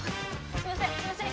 すいません！